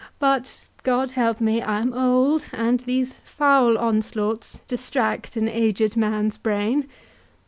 But, God help me, I am old, and these foul onslaughts distract an aged man's brain.